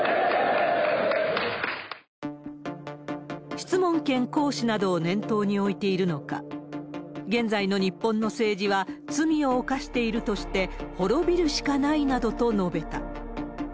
質問権行使などを念頭に置いているのか、現在の日本の政治は罪を犯しているとして、滅びるしかないなどと述べた。